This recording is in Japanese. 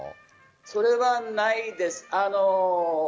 それはないです。